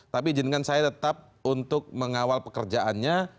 tapi izinkan saya tetap untuk mengawal pekerjaannya